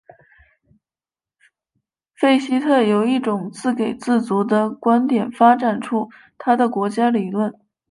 费希特由一种自给自足的观点发展出他的国家理论。